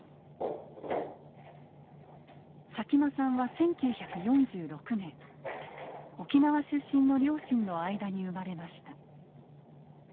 佐喜眞さんは１９４６年沖縄出身の両親の間に生まれました。